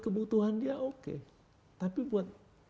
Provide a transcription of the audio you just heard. kebutuhan dia oke tapi buat